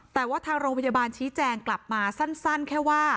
แต่ว่าทางโรงพยาบาลชี้แจงกลับมาสั้นแค่ว่า